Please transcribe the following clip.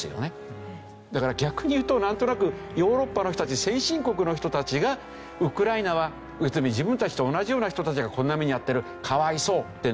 だから逆に言うとなんとなくヨーロッパの人たち先進国の人たちがウクライナは要するに自分たちと同じような人たちがこんな目に遭ってるかわいそうってなるんですけど。